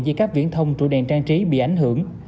giữa các viễn thông trụ đèn trang trí bị ảnh hưởng